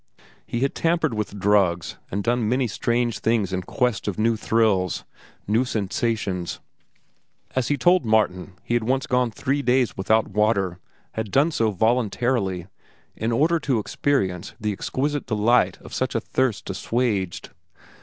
He had tampered with drugs and done many strange things in quest of new thrills, new sensations. As he told Martin, he had once gone three days without water, had done so voluntarily, in order to experience the exquisite delight of such a thirst assuaged.